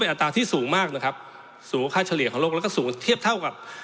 อัตราที่สูงมากนะครับสูงกว่าค่าเฉลี่ยของโลกแล้วก็สูงเทียบเท่ากับ